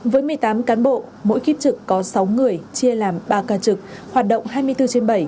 với một mươi tám cán bộ mỗi kiếp trực có sáu người chia làm ba ca trực hoạt động hai mươi bốn trên bảy